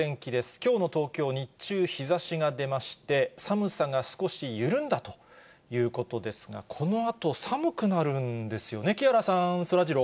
きょうの東京、日中、日ざしが出まして、寒さが少し緩んだということですが、このあと、寒くなるんですよね？